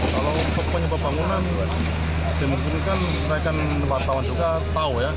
kalau penyebab bangunan dimungkinkan mereka wartawan juga tahu ya